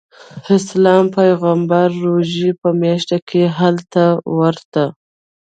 اسلام پیغمبر روژې په میاشت کې هلته ورته.